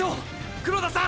黒田さん！！